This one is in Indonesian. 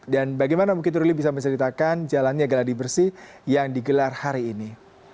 dan bagaimana mungkin ruli bisa menceritakan jalannya geladik bersih yang digelar hari ini